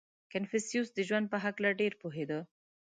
• کنفوسیوس د ژوند په هکله ډېر پوهېده.